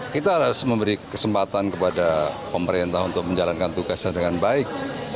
kita harus memberi kesempatan kepada pemerintah untuk menjalankan tugasnya dengan baik